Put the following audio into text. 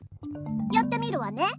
やってみるわね。